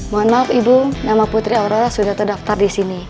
mohon maaf ibu nama putri aurora sudah terdaftar disini